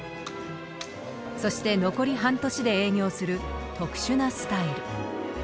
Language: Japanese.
そして残り半年で営業する特殊なスタイル。